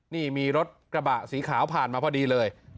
นี่มีรถกระบะสีขาวผ่านมาพอดีเลย